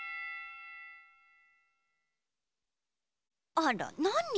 あらなによ。